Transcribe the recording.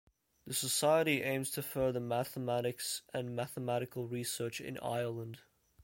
The society aims to further Mathematics and Mathematical research in Ireland.